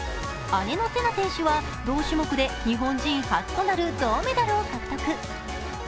姉のせな選手は同種目で日本人初となる銅メダルを獲得。